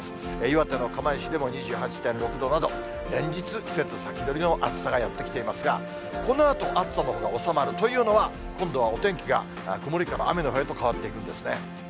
岩手の釜石でも２８．６度など、連日、季節先取りの暑さがやって来ていますが、このあと暑さのほうが収まるというのは、今度はお天気が、曇りから雨のほうへと変わっていくんですね。